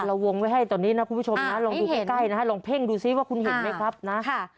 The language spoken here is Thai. วงไว้ให้ตอนนี้นะคุณผู้ชมนะลองดูใกล้นะฮะลองเพ่งดูซิว่าคุณเห็นไหมครับนะ